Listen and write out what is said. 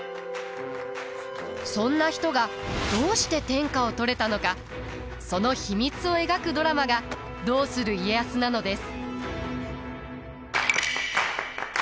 そんな人がどうして天下を取れたのかその秘密を描くドラマが「どうする家康」なのです。